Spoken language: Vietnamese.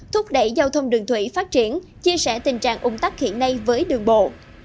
thúc đẩy giao thông đường thủy phát triển chia sẻ tình trạng ung tắc hiện nay với đường bộ